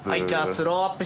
スローアップ。